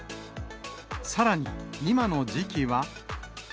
さらに、今の時期は。